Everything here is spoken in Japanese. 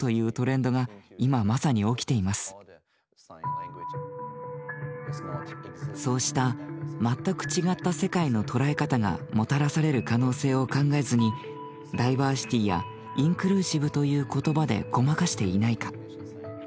その結果そうした全く違った世界の捉え方がもたらされる可能性を考えずに「ダイバーシティ」や「インクルーシブ」という言葉でごまかしていないか。